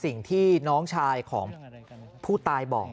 สิ่งที่น้องชายของผู้ตายบอก